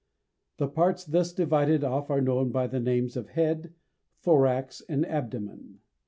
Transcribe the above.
The parts thus divided off are known by the names of head, thorax, and abdomen.